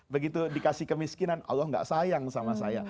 begitu dikasih kemiskinan allah nggak sayang sama saya